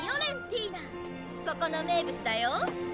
ここの名物だよ。